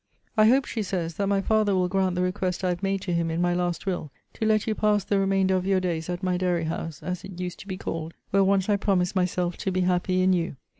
I hope, she says, that my father will grant the request I have made to him in my last will, to let you pass the remainder of your days at my Dairy house, as it used to be called, where once I promised myself to be happy in you.